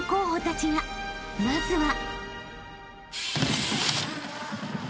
［まずは］